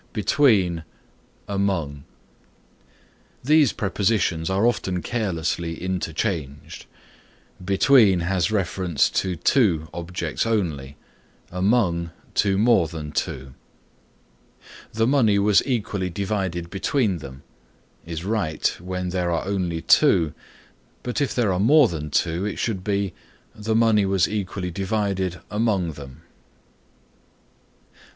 BETWEEN AMONG These prepositions are often carelessly interchanged. Between has reference to two objects only, among to more than two. "The money was equally divided between them" is right when there are only two, but if there are more than two it should be "the money was equally divided among them."